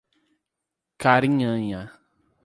Carinhanha